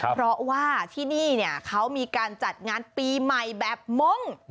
เพราะว่าที่นี่เขามีการจัดงานปีใหม่แบบมงค์